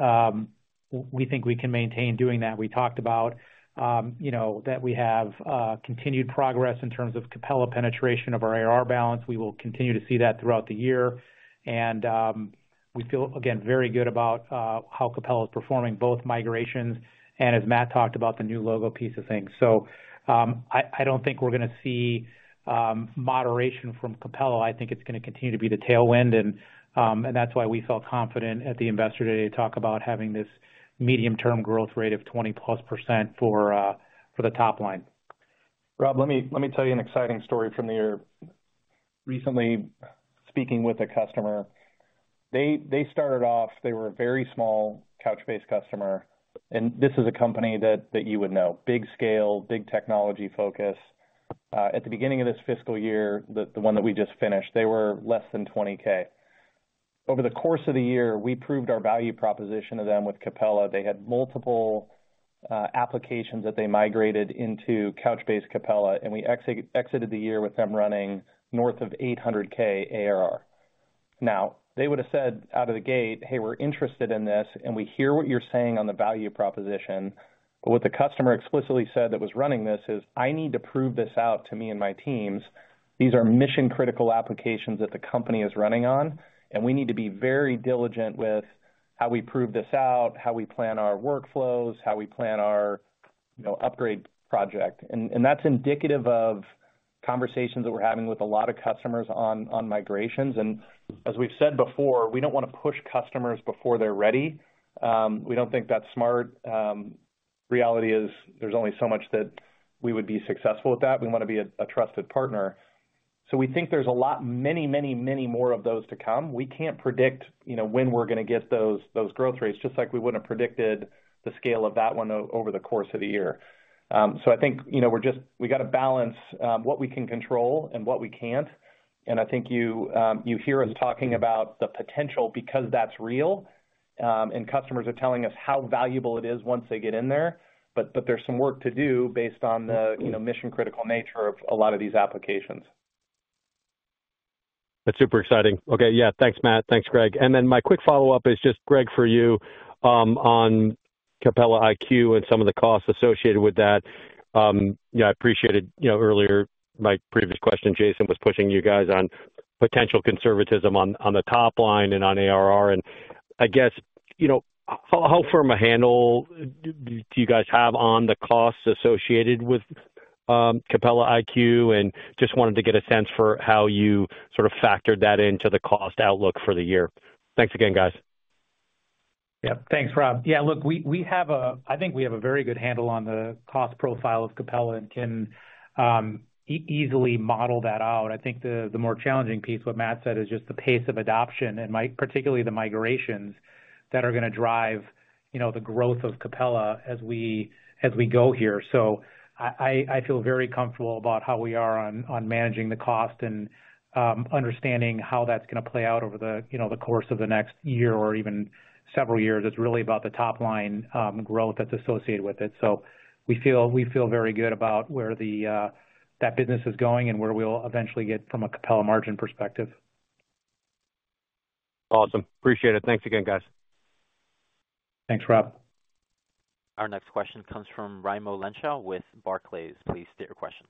we think we can maintain doing that. We talked about that we have continued progress in terms of Capella penetration of our ARR balance. We will continue to see that throughout the year. And we feel, again, very good about how Capella is performing, both migrations and, as Matt talked about, the new logo piece of things. So I don't think we're going to see moderation from Capella. I think it's going to continue to be the tailwind. And that's why we felt confident at the investor day to talk about having this medium-term growth rate of 20%+ for the top line. Rob, let me tell you an exciting story from the year. Recently, speaking with a customer, they started off they were a very small Couchbase customer. And this is a company that you would know: big scale, big technology focus. At the beginning of this fiscal year, the one that we just finished, they were less than $20,000. Over the course of the year, we proved our value proposition to them with Capella. They had multiple applications that they migrated into Couchbase Capella. We exited the year with them running north of $800K ARR. Now, they would have said out of the gate, "Hey, we're interested in this. And we hear what you're saying on the value proposition." But what the customer explicitly said that was running this is, "I need to prove this out to me and my teams. These are mission-critical applications that the company is running on. And we need to be very diligent with how we prove this out, how we plan our workflows, how we plan our upgrade project." That's indicative of conversations that we're having with a lot of customers on migrations. As we've said before, we don't want to push customers before they're ready. We don't think that's smart. Reality is there's only so much that we would be successful with that. We want to be a trusted partner. So we think there's a lot, many, many, many more of those to come. We can't predict when we're going to get those growth rates, just like we wouldn't have predicted the scale of that one over the course of the year. So I think we're just got to balance what we can control and what we can't. And I think you hear us talking about the potential because that's real. And customers are telling us how valuable it is once they get in there. But there's some work to do based on the mission-critical nature of a lot of these applications. That's super exciting. Okay. Yeah. Thanks, Matt. Thanks, Greg. And then my quick follow-up is just, Greg, for you on Capella iQ and some of the costs associated with that. I appreciated earlier my previous question. Jason was pushing you guys on potential conservatism on the top line and on ARR. I guess, how firm a handle do you guys have on the costs associated with Capella iQ? Just wanted to get a sense for how you sort of factored that into the cost outlook for the year. Thanks again, guys. Yep. Thanks, Rob. Yeah. Look, we have – I think we have a very good handle on the cost profile of Capella and can easily model that out. I think the more challenging piece, what Matt said, is just the pace of adoption and particularly the migrations that are going to drive the growth of Capella as we go here. So I feel very comfortable about how we are on managing the cost and understanding how that's going to play out over the course of the next year or even several years. It's really about the top line growth that's associated with it. So we feel very good about where that business is going and where we'll eventually get from a Capella margin perspective. Awesome. Appreciate it. Thanks again, guys. Thanks, Rob. Our next question comes from Raimo Lenschow with Barclays. Please state your question.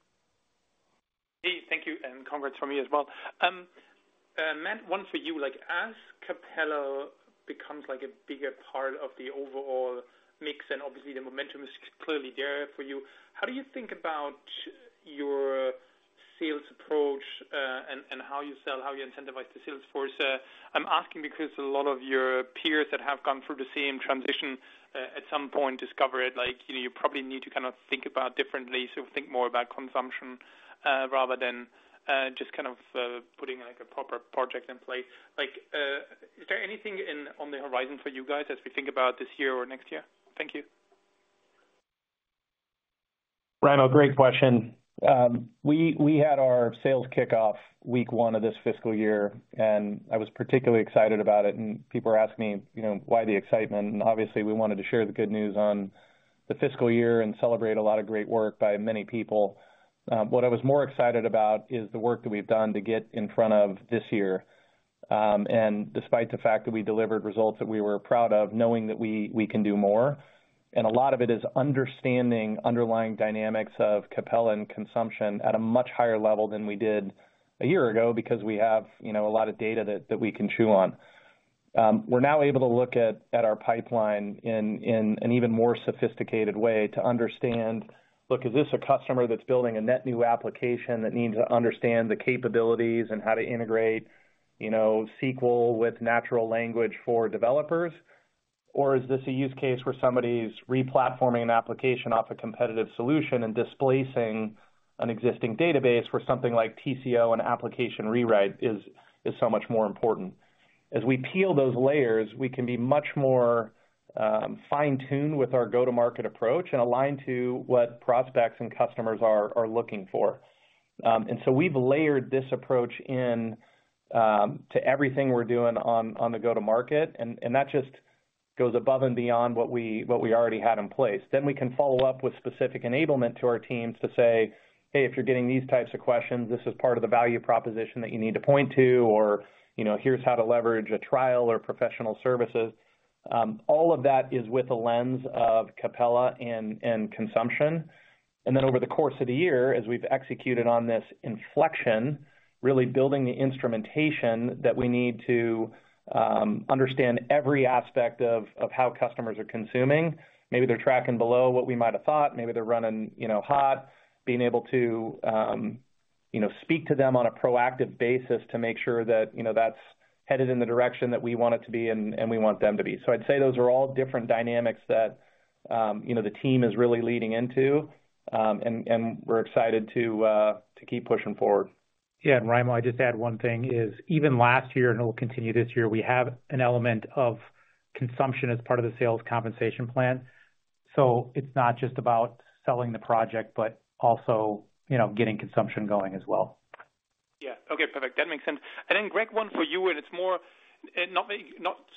Hey. Thank you. And congrats from me as well. Matt, one for you. As Capella becomes a bigger part of the overall mix and obviously, the momentum is clearly there for you, how do you think about your sales approach and how you sell, how you incentivize the sales force? I'm asking because a lot of your peers that have gone through the same transition at some point discover it. You probably need to kind of think about differently. So think more about consumption rather than just kind of putting a proper project in place. Is there anything on the horizon for you guys as we think about this year or next year? Thank you. Raimo, great question. We had our Sales Kickoff week 1 of this fiscal year. I was particularly excited about it. People were asking me why the excitement. Obviously, we wanted to share the good news on the fiscal year and celebrate a lot of great work by many people. What I was more excited about is the work that we've done to get in front of this year. Despite the fact that we delivered results that we were proud of, knowing that we can do more. A lot of it is understanding underlying dynamics of Capella and consumption at a much higher level than we did a year ago because we have a lot of data that we can chew on. We're now able to look at our pipeline in an even more sophisticated way to understand, "Look, is this a customer that's building a net new application that needs to understand the capabilities and how to integrate SQL with natural language for developers? Or is this a use case where somebody's replatforming an application off a competitive solution and displacing an existing database where something like TCO and application rewrite is so much more important?" As we peel those layers, we can be much more fine-tuned with our go-to-market approach and align to what prospects and customers are looking for. And so we've layered this approach into everything we're doing on the go-to-market. And that just goes above and beyond what we already had in place. Then we can follow up with specific enablement to our teams to say, "Hey, if you're getting these types of questions, this is part of the value proposition that you need to point to," or, "Here's how to leverage a trial or professional services." All of that is with a lens of Capella and consumption. And then over the course of the year, as we've executed on this inflection, really building the instrumentation that we need to understand every aspect of how customers are consuming. Maybe they're tracking below what we might have thought. Maybe they're running hot. Being able to speak to them on a proactive basis to make sure that that's headed in the direction that we want it to be and we want them to be. So I'd say those are all different dynamics that the team is really leading into. And we're excited to keep pushing forward. Yeah. And Raimo, I'd just add one thing is even last year, and it will continue this year, we have an element of consumption as part of the sales compensation plan. So it's not just about selling the project, but also getting consumption going as well. Yeah. Okay. Perfect. That makes sense. And then, Greg, one for you. And it's not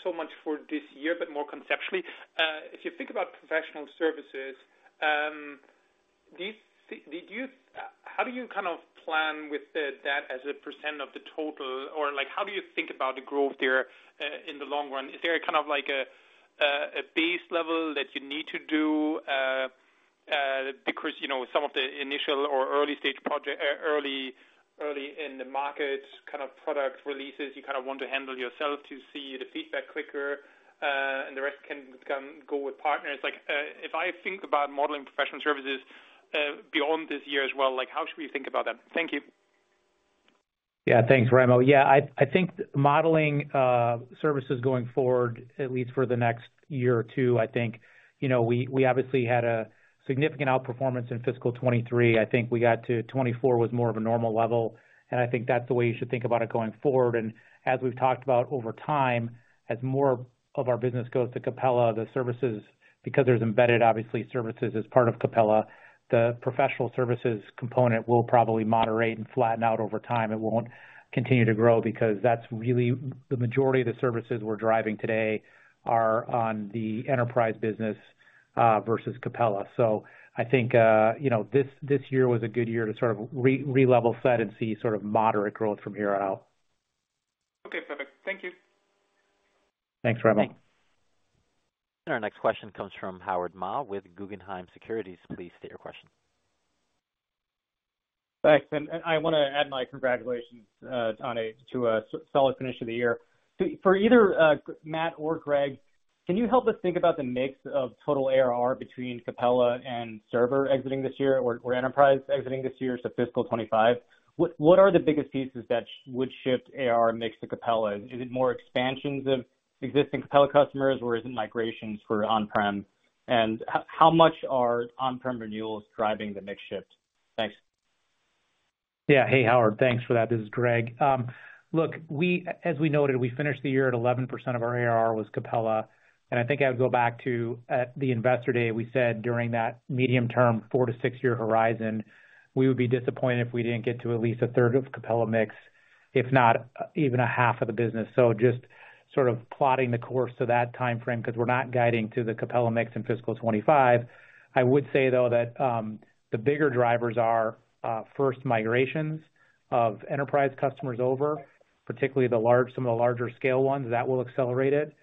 so much for this year, but more conceptually. If you think about professional services, how do you kind of plan with that as a percent of the total? Or how do you think about the growth there in the long run? Is there kind of a base level that you need to do? Because some of the initial or early-stage project, early in the market kind of product releases, you kind of want to handle yourself to see the feedback quicker. The rest can go with partners. If I think about modeling professional services beyond this year as well, how should we think about that? Thank you. Yeah. Thanks, Raimo. Yeah. I think modeling services going forward, at least for the next year or two, I think we obviously had a significant outperformance in fiscal 2023. I think we got to 2024 was more of a normal level. I think that's the way you should think about it going forward. As we've talked about over time, as more of our business goes to Capella, the services because there's embedded, obviously, services as part of Capella, the professional services component will probably moderate and flatten out over time. It won't continue to grow because that's really the majority of the services we're driving today are on the enterprise business versus Capella. I think this year was a good year to sort of re-level set and see sort of moderate growth from here out. Okay. Perfect. Thank you. Thanks, Raimo. Thanks. Our next question comes from Howard Ma with Guggenheim Securities. Please state your question. Thanks. And I want to add my congratulations to a solid finish of the year. For either Matt or Greg, can you help us think about the mix of total ARR between Capella and server exiting this year or enterprise exiting this year to fiscal 2025? What are the biggest pieces that would shift ARR mix to Capella? Is it more expansions of existing Capella customers, or is it migrations for on-prem? And how much are on-prem renewals driving the mix shift? Thanks. Yeah. Hey, Howard. Thanks for that. This is Greg. Look, as we noted, we finished the year at 11% of our ARR was Capella. I think I would go back to the investor day. We said during that medium-term, 4-6-year horizon, we would be disappointed if we didn't get to at least a third of Capella mix, if not even a half of the business. So just sort of plotting the course to that timeframe because we're not guiding to the Capella mix in fiscal 2025. I would say, though, that the bigger drivers are first, migrations of enterprise customers over, particularly some of the larger-scale ones. That will accelerate it.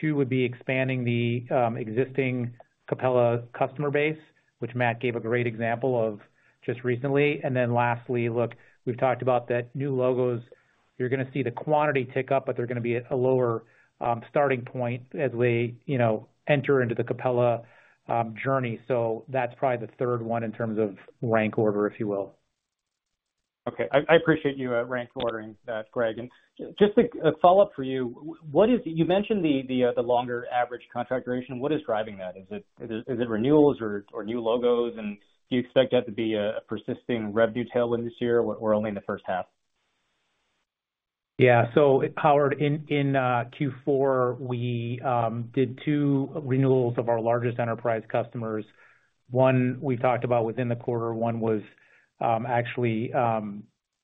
Two would be expanding the existing Capella customer base, which Matt gave a great example of just recently. And then lastly, look, we've talked about that new logos. You're going to see the quantity tick up, but they're going to be at a lower starting point as they enter into the Capella journey. So that's probably the third one in terms of rank order, if you will. Okay. I appreciate you rank ordering that, Greg. And just a follow-up for you. You mentioned the longer average contract duration. What is driving that? Is it renewals or new logos? And do you expect that to be a persisting revenue tailwind this year or only in the first half? Yeah. So, Howard, in Q4, we did two renewals of our largest enterprise customers. One, we've talked about within the quarter. One was actually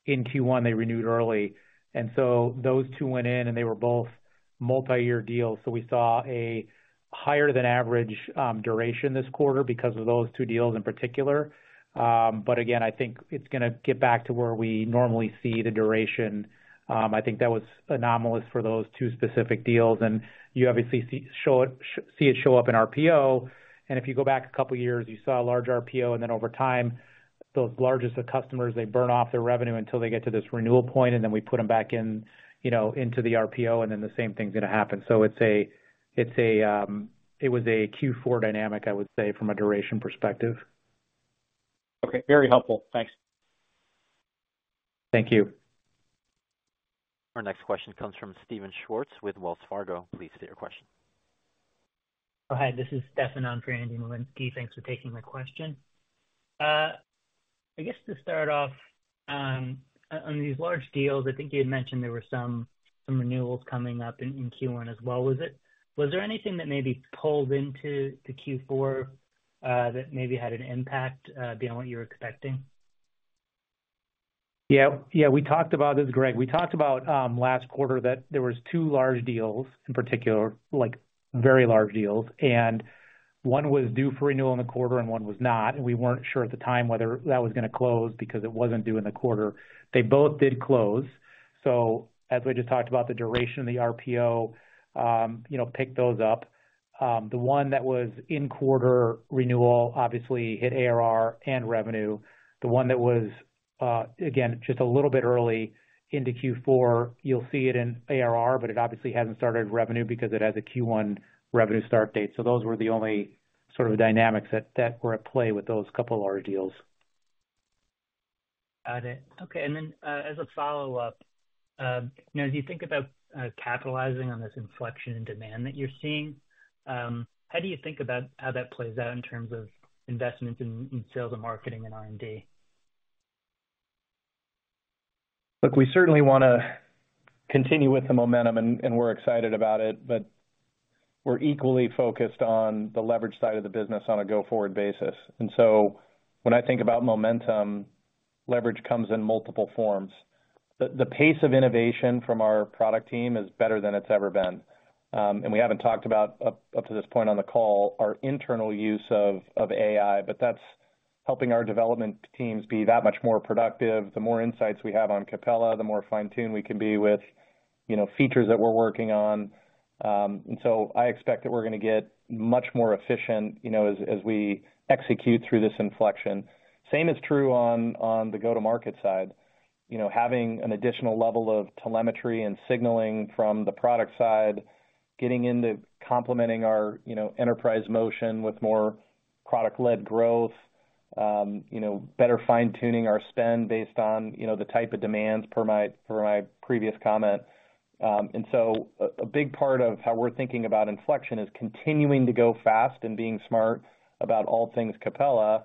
in Q1, they renewed early. And so those two went in, and they were both multi-year deals. So we saw a higher-than-average duration this quarter because of those two deals in particular. But again, I think it's going to get back to where we normally see the duration. I think that was anomalous for those two specific deals. And you obviously see it show up in RPO. And if you go back a couple of years, you saw a large RPO. And then over time, those largest customers, they burn off their revenue until they get to this renewal point. And then we put them back into the RPO. And then the same thing's going to happen. So it was a Q4 dynamic, I would say, from a duration perspective. Okay. Very helpful. Thanks. Thank you. Our next question comes from Stefan Schwartz with Wells Fargo. Please state your question. Oh, hi This is Stefan on for Andrew Nowinski. Thanks for taking my question. I guess to start off, on these large deals, I think you had mentioned there were some renewals coming up in Q1 as well, was it? Was there anything that maybe pulled into Q4 that maybe had an impact beyond what you were expecting? Yeah. Yeah. This is Greg. We talked about last quarter that there were two large deals in particular, very large deals. And one was due for renewal in the quarter, and one was not. And we weren't sure at the time whether that was going to close because it wasn't due in the quarter. They both did close. So as we just talked about, the duration and the RPO picked those up. The one that was in-quarter renewal obviously hit ARR and revenue. The one that was, again, just a little bit early into Q4, you'll see it in ARR, but it obviously hasn't started revenue because it has a Q1 revenue start date. So those were the only sort of dynamics that were at play with those couple of large deals. Got it. Okay. And then as a follow-up, as you think about capitalizing on this inflection in demand that you're seeing, how do you think about how that plays out in terms of investments in sales and marketing and R&D? Look, we certainly want to continue with the momentum, and we're excited about it. But we're equally focused on the leverage side of the business on a go-forward basis. And so when I think about momentum, leverage comes in multiple forms. The pace of innovation from our product team is better than it's ever been. And we haven't talked about up to this point on the call our internal use of AI. But that's helping our development teams be that much more productive. The more insights we have on Capella, the more fine-tuned we can be with features that we're working on. And so I expect that we're going to get much more efficient as we execute through this inflection. Same is true on the go-to-market side. Having an additional level of telemetry and signaling from the product side, getting into complementing our enterprise motion with more product-led growth, better fine-tuning our spend based on the type of demands, per my previous comment. And so a big part of how we're thinking about inflection is continuing to go fast and being smart about all things Capella,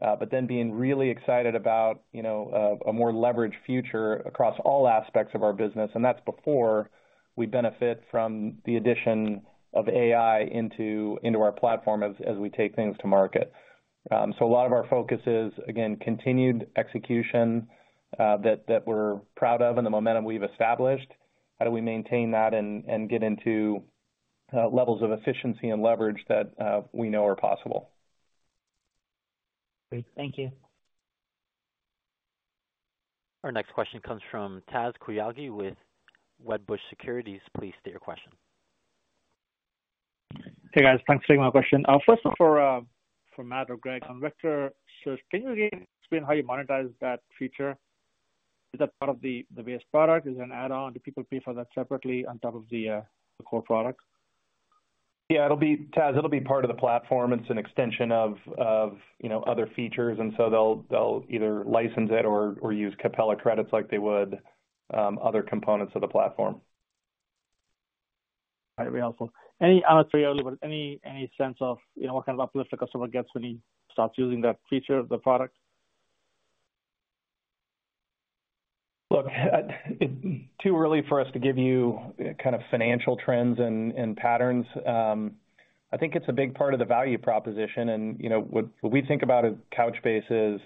but then being really excited about a more leveraged future across all aspects of our business. And that's before we benefit from the addition of AI into our platform as we take things to market. So a lot of our focus is, again, continued execution that we're proud of and the momentum we've established. How do we maintain that and get into levels of efficiency and leverage that we know are possible? Great. Thank you. Our next question comes from Taz Koujalgi with Wedbush Securities. Please state your question. Hey, guys. Thanks for taking my question. First off, for Matt or Greg, on Vector Search, can you again explain how you monetize that feature? Is that part of the base product? Is it an add-on? Do people pay for that separately on top of the core product? Yeah. Taz, it'll be part of the platform. It's an extension of other features. And so they'll either license it or use Capella credits like they would other components of the platform. All right. Very helpful. I'm not very early, but any sense of what kind of uplift a customer gets when he starts using that feature, the product? Look, it's too early for us to give you kind of financial trends and patterns. I think it's a big part of the value proposition. And what we think about at Couchbase is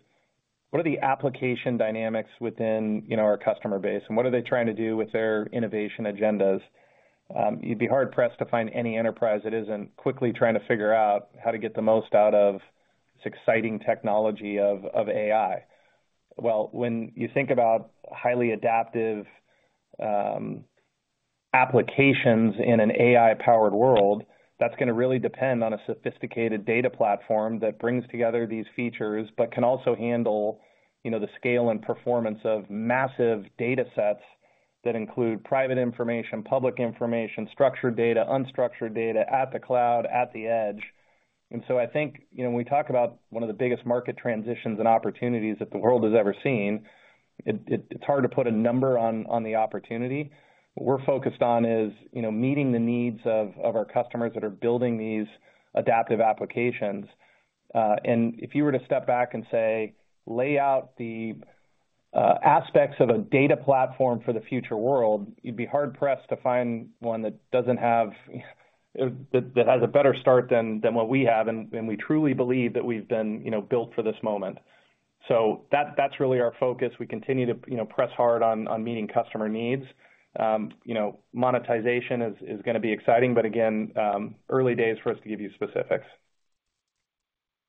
what are the application dynamics within our customer base? And what are they trying to do with their innovation agendas? You'd be hard-pressed to find any enterprise that isn't quickly trying to figure out how to get the most out of this exciting technology of AI. Well, when you think about highly adaptive applications in an AI-powered world, that's going to really depend on a sophisticated data platform that brings together these features but can also handle the scale and performance of massive datasets that include private information, public information, structured data, unstructured data, at the cloud, at the edge. And so I think when we talk about one of the biggest market transitions and opportunities that the world has ever seen, it's hard to put a number on the opportunity. What we're focused on is meeting the needs of our customers that are building these adaptive applications. And if you were to step back and say, "Lay out the aspects of a data platform for the future world," you'd be hard-pressed to find one that doesn't have that has a better start than what we have. And we truly believe that we've been built for this moment. So that's really our focus. We continue to press hard on meeting customer needs. Monetization is going to be exciting, but again, early days for us to give you specifics.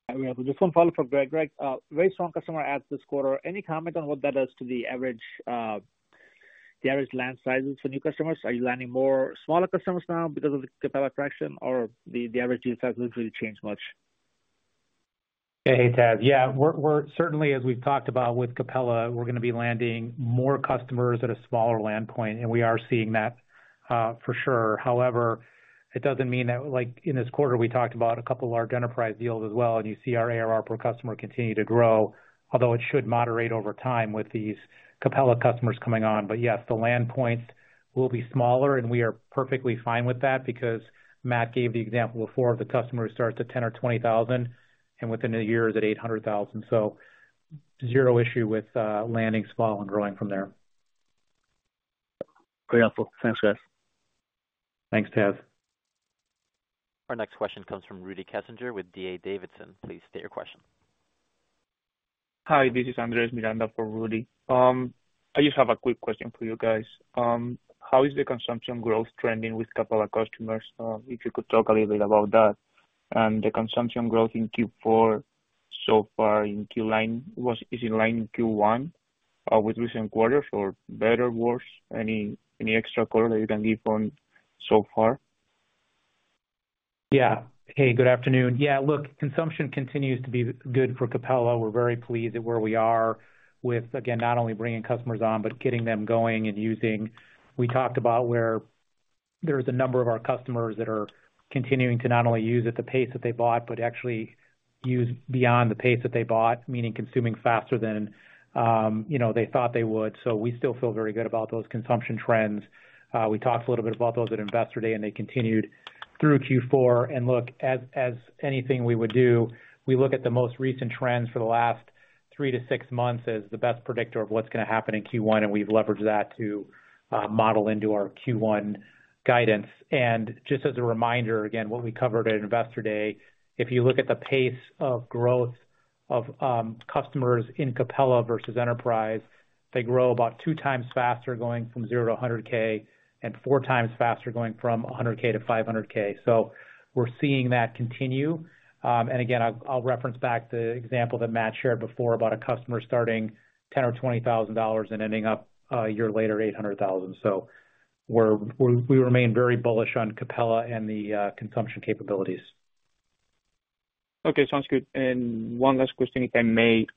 All right. We have just one follow-up from Greg. Greg, very strong customer adds this quarter. Any comment on what that does to the average land sizes for new customers? Are you landing more smaller customers now because of the Capella traction, or the average deal size hasn't really changed much? Yeah. Hey, Taz. Yeah. Certainly, as we've talked about with Capella, we're going to be landing more customers at a smaller landpoint. And we are seeing that for sure. However, it doesn't mean that in this quarter, we talked about a couple of large enterprise deals as well. And you see our ARR per customer continue to grow, although it should moderate over time with these Capella customers coming on. But yes, the landpoints will be smaller. And we are perfectly fine with that because Matt gave the example before of the customer who starts at $10,000 or $20,000. And within a year, it's at $800,000. So 0 issue with landing small and growing from there. Very helpful. Thanks, guys. Thanks, Taz. Our next question comes from Rudy Kessinger with D.A. Davidson. Please state your question. Hi. This is Andres Miranda for Rudy. I just have a quick question for you guys. How is the consumption growth trending with Capella customers? If you could talk a little bit about that. And the consumption growth in Q4 so far in Q1, is it in line with Q1 with recent quarters or better, worse? Any extra color that you can give on so far? Yeah. Hey, good afternoon. Yeah. Look, consumption continues to be good for Capella. We're very pleased at where we are with, again, not only bringing customers on but getting them going and using. We talked about where there is a number of our customers that are continuing to not only use at the pace that they bought but actually use beyond the pace that they bought, meaning consuming faster than they thought they would. So we still feel very good about those consumption trends. We talked a little bit about those at investor day, and they continued through Q4. And look, as anything we would do, we look at the most recent trends for the last three to six months as the best predictor of what's going to happen in Q1. We've leveraged that to model into our Q1 guidance. Just as a reminder, again, what we covered at investor day, if you look at the pace of growth of customers in Capella versus enterprise, they grow about two times faster going from 0 to 100K and four times faster going from 100K to 500K. So we're seeing that continue. And again, I'll reference back the example that Matt shared before about a customer starting $10,000 or $20,000 and ending up a year later at $800,000. So we remain very bullish on Capella and the consumption capabilities. Okay. Sounds good. And one last question, if I may.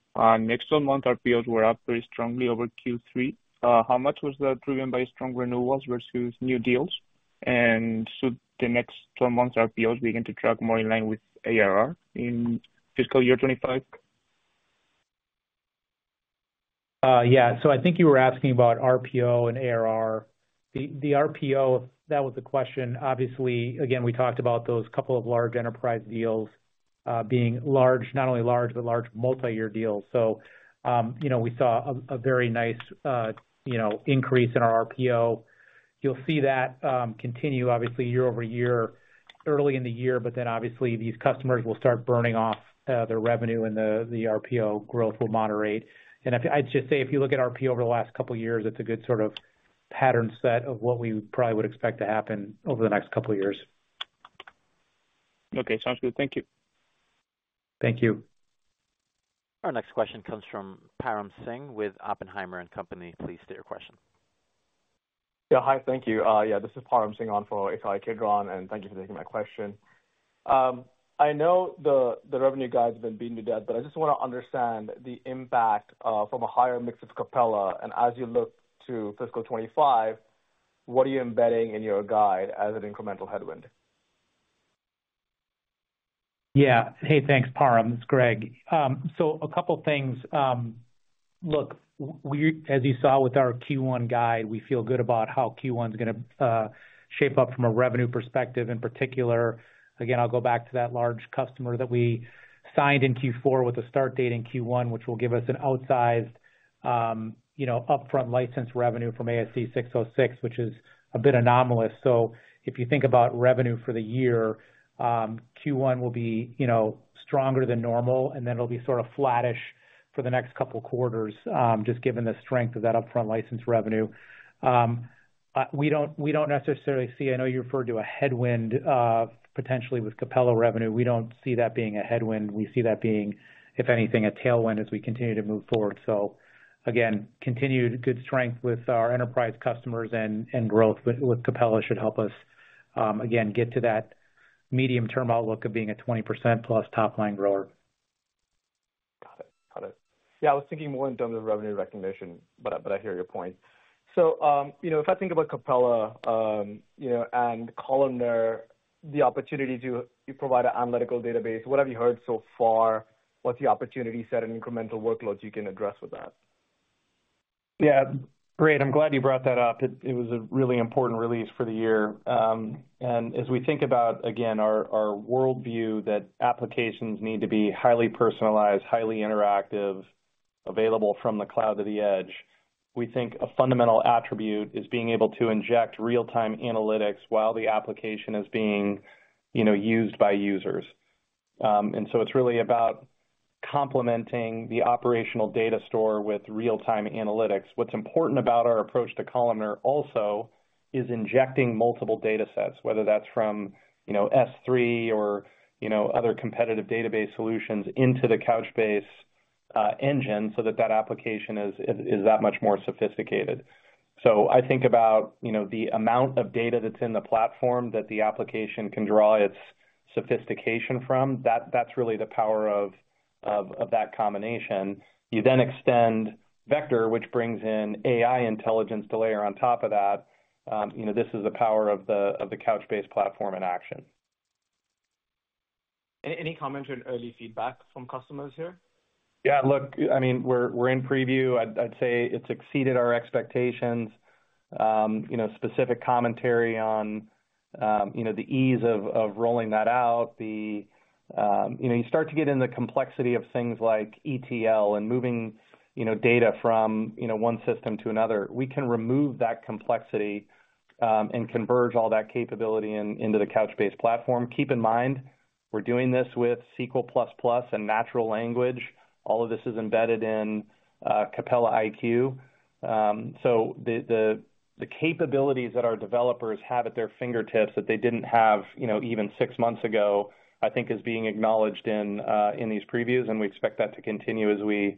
Next 12 months, RPOs were up very strongly over Q3. How much was that driven by strong renewals versus new deals? And should the next 12 months' RPOs begin to track more in line with ARR in fiscal year 2025? Yeah. So I think you were asking about RPO and ARR. The RPO, that was the question. Obviously, again, we talked about those couple of large enterprise deals being large, not only large but large multi-year deals. So we saw a very nice increase in our RPO. You'll see that continue, obviously, year-over-year, early in the year. But then obviously, these customers will start burning off their revenue, and the RPO growth will moderate. And I'd just say if you look at RPO over the last couple of years, it's a good sort of pattern set of what we probably would expect to happen over the next couple of years. Okay. Sounds good. Thank you. Thank you. Our next question comes from Param Singh with Oppenheimer & Co. Please state your question. Yeah. Hi. Thank you. Yeah. This is Param Singh on for Ittai Kidron. And thank you for taking my question. I know the revenue guide's been beaten to death, but I just want to understand the impact from a higher mix of Capella. And as you look to fiscal 2025, what are you embedding in your guide as an incremental headwind? Yeah. Hey, thanks, Param. This is Greg. So a couple of things. Look, as you saw with our Q1 guide, we feel good about how Q1's going to shape up from a revenue perspective in particular. Again, I'll go back to that large customer that we signed in Q4 with a start date in Q1, which will give us an outsized upfront license revenue from ASC 606, which is a bit anomalous. So if you think about revenue for the year, Q1 will be stronger than normal, and then it'll be sort of flattish for the next couple of quarters just given the strength of that upfront license revenue. We don't necessarily see. I know you referred to a headwind potentially with Capella revenue. We don't see that being a headwind. We see that being, if anything, a tailwind as we continue to move forward. So again, continued good strength with our enterprise customers and growth with Capella should help us, again, get to that medium-term outlook of being a 20%+ top-line grower. Got it. Got it. Yeah. I was thinking more in terms of revenue recognition, but I hear your point. So if I think about Capella and Columnar, the opportunity to provide an analytical database, what have you heard so far? What's the opportunity set and incremental workloads you can address with that? Yeah. Great. I'm glad you brought that up. It was a really important release for the year. As we think about, again, our worldview that applications need to be highly personalized, highly interactive, available from the cloud to the edge, we think a fundamental attribute is being able to inject real-time analytics while the application is being used by users. So it's really about complementing the operational data store with real-time analytics. What's important about our approach to Columnar also is injecting multiple datasets, whether that's from S3 or other competitive database solutions into the Couchbase engine so that that application is that much more sophisticated. I think about the amount of data that's in the platform that the application can draw its sophistication from. That's really the power of that combination. You then extend Vector, which brings in AI intelligence to layer on top of that. This is the power of the Couchbase platform in action. Any comment or early feedback from customers here? Yeah. Look, I mean, we're in preview. I'd say it's exceeded our expectations. Specific commentary on the ease of rolling that out. You start to get in the complexity of things like ETL and moving data from one system to another. We can remove that complexity and converge all that capability into the Couchbase platform. Keep in mind, we're doing this with SQL++ and natural language. All of this is embedded in Capella iQ. So the capabilities that our developers have at their fingertips that they didn't have even six months ago, I think, is being acknowledged in these previews. And we expect that to continue as we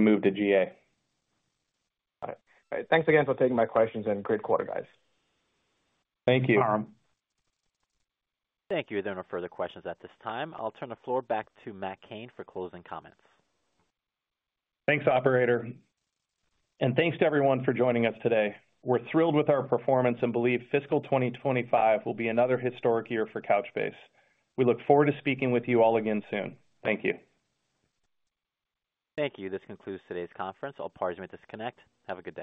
move to GA. Got it. All right. Thanks again for taking my questions. Great quarter, guys. Thank you, Param. Thank you. There are no further questions at this time. I'll turn the floor back to Matt Cain for closing comments. Thanks, operator. Thanks to everyone for joining us today. We're thrilled with our performance and believe fiscal 2025 will be another historic year for Couchbase. We look forward to speaking with you all again soon. Thank you. Thank you. This concludes today's conference. I'll pardon me at disconnect. Have a good day.